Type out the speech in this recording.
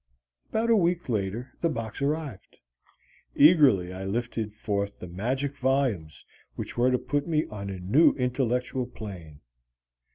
About a week later the box arrived. Eagerly I lifted forth the magic volumes which were to put me on a new intellectual plane.